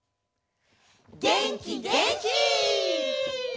げんきげんき！